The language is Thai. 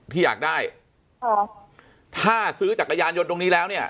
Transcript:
ที่อยากได้ค่ะถ้าซื้อจักรยานยนต์ตรงนี้แล้วเนี่ย